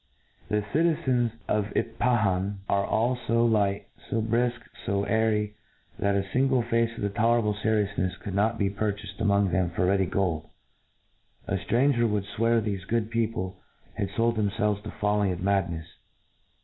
The citizens of IP pahan are all fo light, fo brifk, fo airy, that a finglc face of tolerable ferioufncfs co^ld not be purchafcd among them for ready gold. — ^A ftran gcr would' fwear thefe good people had fold themfelves to folly and madnefe.